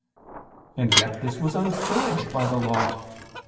And yet this was encouraged by the Law.